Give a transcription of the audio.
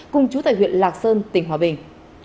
cùng chú tệ huyện lạc sơn tỉnh hòa bình